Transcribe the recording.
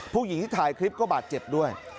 ผู้หญิงที่ถ่ายคลิปก็บาดเจ็บด้วย